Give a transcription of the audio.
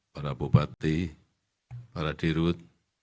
para bupati para dirut